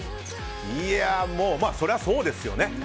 もう、そりゃそうですよね。